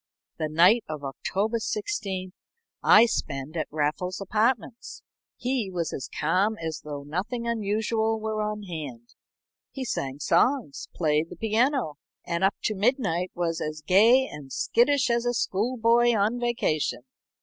The night of October 16th I spend at Raffles's apartments. He was as calm as though nothing unusual were on hand. He sang songs, played the piano, and up to midnight was as gay and skittish as a school boy on vacation.